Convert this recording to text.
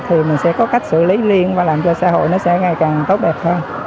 thì mình sẽ có cách xử lý liên và làm cho xã hội nó sẽ ngày càng tốt đẹp hơn